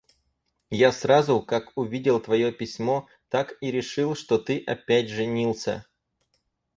Я сразу, как увидел твое письмо, так и решил, что ты опять женился.